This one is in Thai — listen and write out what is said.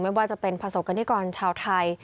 ไม่ว่าจะเป็นประสบกรณิกรชาวไทย